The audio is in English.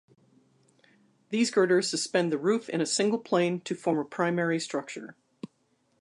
These girders suspend the roof in a single plane to form a primary structure.